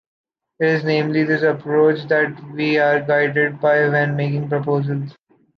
It is namely this approach that we are guided by when making proposals.